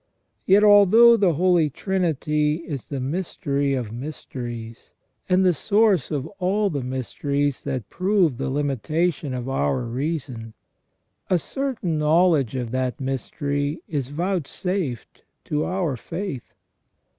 Yet, although the Holy Trinity is the mystery of mysteries, and the source of all the mysteries that prove the limitation of our reason, a certain knowledge of that mystery is vouchsafed to our faith.